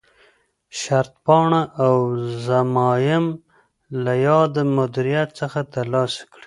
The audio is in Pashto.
شرطپاڼه او ضمایم له یاد مدیریت څخه ترلاسه کړي.